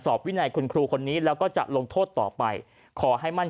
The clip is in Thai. วินัยคุณครูคนนี้แล้วก็จะลงโทษต่อไปขอให้มั่น